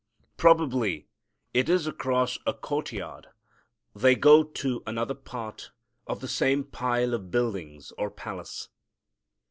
Probably it is across a courtyard they go to another part of the same pile of buildings or palace.